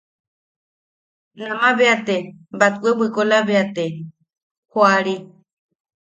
Nama bea te batwe bwikola bea te joari.